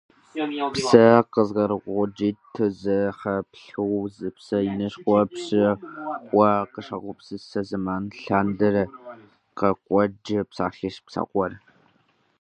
Псэ къызэрыгуэкӀитӀ зэхэплъхьэу зы псэ инышхуэ пщӀы хъууэ къыщагупсыса зэман лъандэрэ къекӀуэкӀ псалъэщ псэгъур.